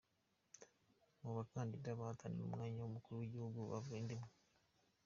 Mu bakandida bahatanira umwanya w’umukuru w’Igihugu bava inda imwe.